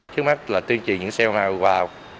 trước mắt là tuyên trì những xe vào